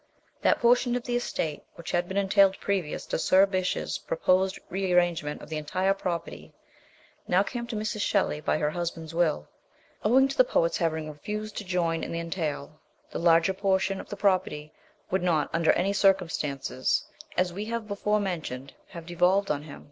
That portion of the estate which had been entailed previous to Sir Bysshe's proposed rearrangement of the entire property now came to Mrs. Shelley by her hus band's will. Owing to the poet's having refused to join in the entail, the larger portion of the property would not under any circumstances, as we have before mentioned, have devolved on him.